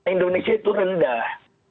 indonesia itu rendah